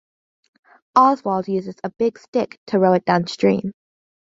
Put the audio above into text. Oswald uses a big stick to row it downstream.